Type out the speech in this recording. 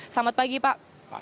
selamat pagi pak